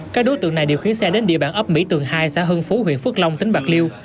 các đối tượng này điều khiển xe đến địa bàn ấp mỹ tường hai xã hưng phú huyện phước long tỉnh bạc liêu